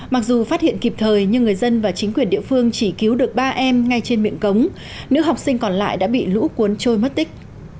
mặc dù phát hiện kịp thời nhưng người dân và chính quyền địa phương chỉ cứu được ba em ngay trên miệng cống nữ học sinh còn lại đã bị lũ cuốn trôi mất tích